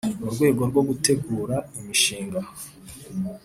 mu rwego rwo gutegura imishinga